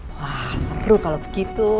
wah seru kalau begitu